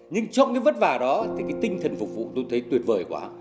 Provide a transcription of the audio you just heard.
nhưng trong cái vất vả đó thì cái tinh thần phục vụ tôi thấy tuyệt vời quá